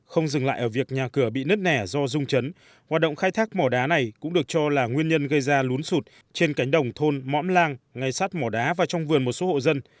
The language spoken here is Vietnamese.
không dừng lại ở việc nhà cửa bị nứt nẻ do rung chấn hoạt động khai thác mỏ đá này cũng được cho là nguyên nhân gây ra lún sụt trên cánh đồng thôn mõm lan ngay sát mỏ đá và trong vườn một số hộ dân